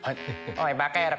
おいバカ野郎！